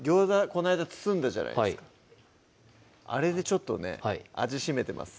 この間包んだじゃないですかあれでちょっとね味占めてます